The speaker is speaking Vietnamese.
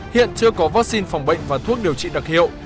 hiện chưa có vaccine phòng bệnh và thuốc điều trị đặc hiệu